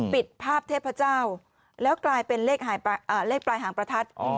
ปิดภาพเทพเจ้าแล้วกลายเป็นเลขปลายหางประทัด